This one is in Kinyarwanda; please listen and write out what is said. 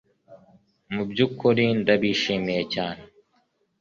Mubyukuri ndabyishimiye cyane